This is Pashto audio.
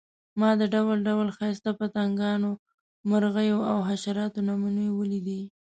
ما د ډول ډول ښایسته پتنګانو، مرغیو او حشراتو نمونې ولیدې.